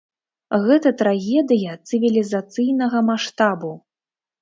Гэта трагедыя цывілізацыйнага маштабу.